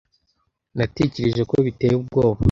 Natekereje ko biteye ubwoba.